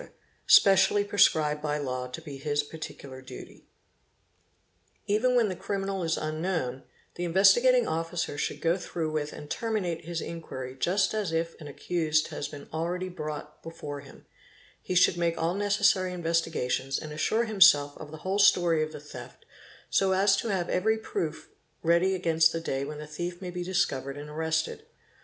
specially prescribed by law to be his particular duty. Even when the criminal is _ unknown, the Investigating Officer should go through with and terminate his inquiry just as if an accused had been already brought before him ; he should make all necessary investigations and assure himself of the _ whole story of the theft so as to have every proof ready against the day when the thief may be discovered and arrested.